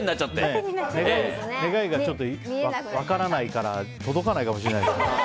願いが分からないから届かないかもしれないですね。